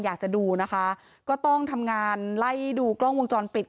อยากจะดูนะคะก็ต้องทำงานไล่ดูกล้องวงจรปิด